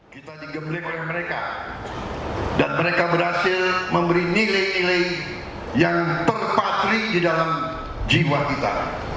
kita digembleng oleh mereka dan mereka berhasil memberi nilai nilai yang terpatrik di dalam jiwa kita